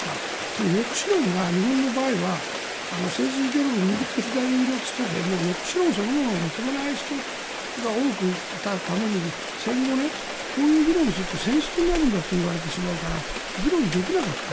この抑止論が、日本の場合は政治イデオロギー右と左の人で抑止論そのものを認めない人が多くいたために戦後、こういう議論をすると戦争になるんだと言われてしまうから議論ができなかった。